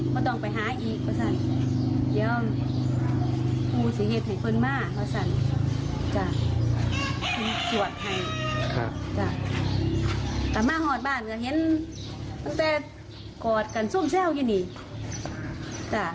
ค่ะค่ะจ้ะถ้ามาหอดบ้านก็เห็นตั้งแต่กอดกันซุ่มแซ่วอย่างนี้จ้ะ